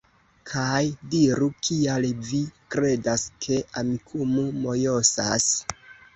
Kaj diru kial vi kredas, ke Amikumu mojosas